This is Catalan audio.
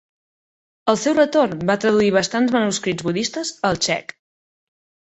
Al seu retorn va traduir bastants manuscrits budistes al Txec.